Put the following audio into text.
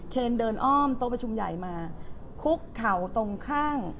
เคนเดินอ้อมโต๊ะประชุมใหญ่มาคุกเข่าตรงข้าง